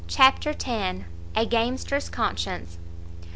CHAPTER x. A GAMESTER'S CONSCIENCE.